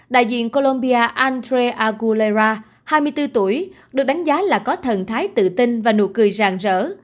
đại diện colombia andre agulera hai mươi bốn tuổi được đánh giá là có thần thái tự tin và nụ cười ràng rỡ